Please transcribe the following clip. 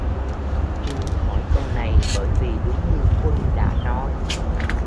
Trinh hỏi câu này bởi vì đúng như quân đã nói